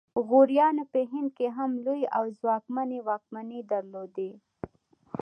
غوریانو په هند کې هم لویې او ځواکمنې واکمنۍ درلودې